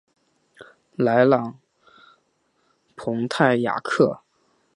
蒂朗蓬泰雅克。